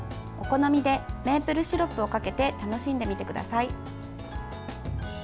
お好みでメープルシロップをかけて楽しんでみてください。